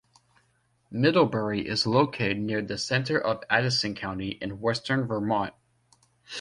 Middlebury is located near the center of Addison County in western Vermont.